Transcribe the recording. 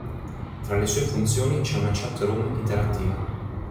Tra le sue funzioni c'è una chat room interattiva.